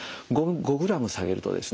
５グラム下げるとですね